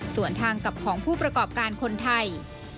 ส่วนทางกับของผู้ประกอบการคนไทย